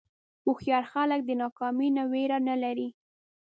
هوښیار خلک د ناکامۍ نه وېره نه لري.